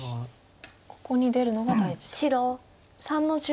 ここに出るのが大事と。